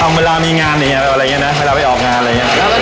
เวลามีงานอย่างนี้อะไรอย่างนี้นะเวลาไปออกงานอะไรอย่างนี้